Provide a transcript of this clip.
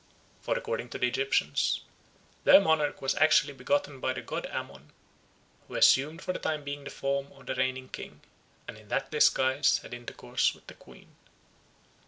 For, according to the Egyptians, their monarchs were actually begotten by the god Ammon, who assumed for the time being the form of the reigning king, and in that disguise had intercourse with the queen.